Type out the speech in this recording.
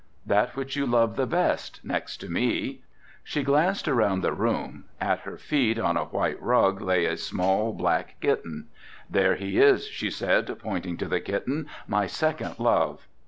"That which you love the best, next to me." She glanced around the room, at her feet on a white rug lay a small black kitten. "There he is," she said, pointing to the kitten, "my second love."